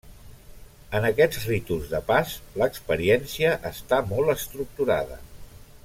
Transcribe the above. En aquests ritus de pas, l’experiència està molt estructurada.